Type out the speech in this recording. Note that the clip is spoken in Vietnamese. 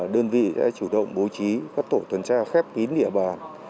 đơn vị đã chủ động bố trí các tổ tuần tra khép kín địa bàn